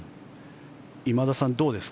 今田さん、どうですか。